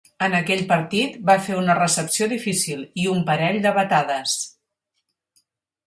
En aquell partit, va fer una recepció difícil i un parell de batades.